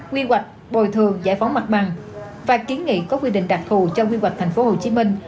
quy hoạch bồi thường giải phóng mặt bằng và kiến nghị có quy định đặc thù cho quy hoạch tp hcm